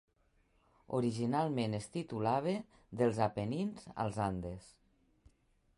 Originalment es titulava "Dels Apenins als Andes".